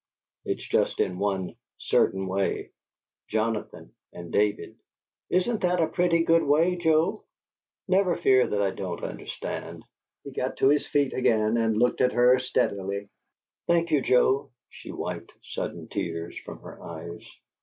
It's just in one certain way Jonathan and David " "Isn't that a pretty good way, Joe?" "Never fear that I don't understand!" He got to his feet again and looked at her steadily. "Thank you, Joe." She wiped sudden tears from her eyes.